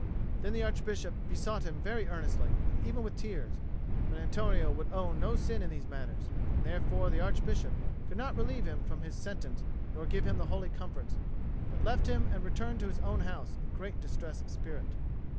Then the Archbishop besought him very earnestly, and even with tears; but Antonio would own no sin in these matters, and therefore the Archbishop could not relieve him from his sentence nor give him the holy comforts, but left him and returned to his own house in great distress of spirit.